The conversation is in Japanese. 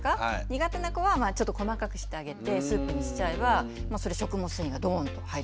苦手な子はちょっと細かくしてあげてスープにしちゃえばそれ食物繊維がどんと入りますね。